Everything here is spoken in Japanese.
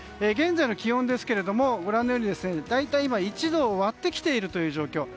現在の気温ですけど大体１度を割ってきている状況。